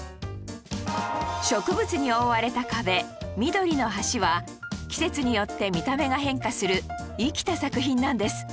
植物に覆われた壁『緑の橋』は季節によって見た目が変化する生きた作品なんです